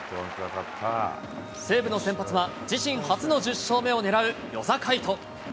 西武の先発は、自身初の１０勝目を狙う與座海人。